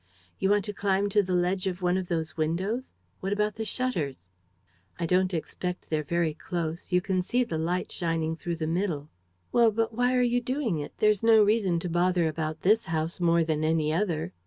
"You want to climb to the ledge of one of the windows? What about the shutters?" "I don't expect they're very close. You can see the light shining through the middle." "Well, but why are you doing it? There is no reason to bother about this house more than any other."